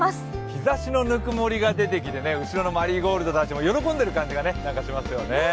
日ざしのぬくもりが出てきて後ろのマリーゴールドたちも喜んでる感じがしますよね。